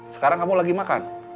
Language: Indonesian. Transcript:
sekarang kamu lagi makan